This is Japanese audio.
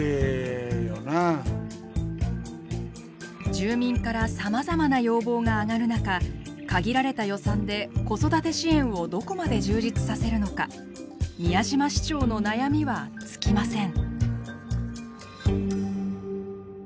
住民からさまざまな要望が上がる中限られた予算で子育て支援をどこまで充実させるのか宮嶋市長の悩みは尽きません。